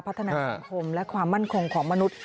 พัฒนาสังคมและความมั่นคงของมนุษย์